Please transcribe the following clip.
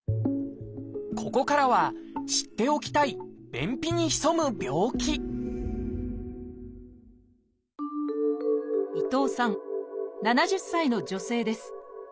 ここからは知っておきたい伊藤さん７０歳の女性です。